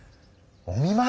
お見まい？